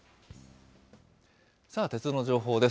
鉄道の情報です。